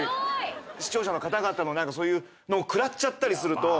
視聴者の方々のそういうのを食らっちゃったりすると。